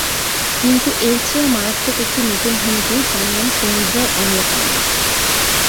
কিন্তু এর চেয়েও মারাত্মক একটি নতুন হুমকি যার নাম সমুদ্রের অম্লকরণ।